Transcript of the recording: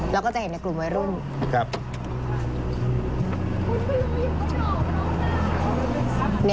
แล้วก็จะเห็นในกลุ่มวัยรุ่น